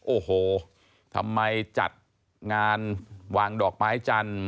โอ้โหทำไมจัดงานวางดอกไม้จันทร์